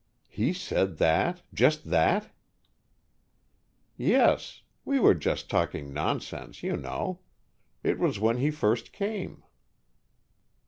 "He said that? Just that?" "Yes. We were just talking nonsense, you know. It was when he first came."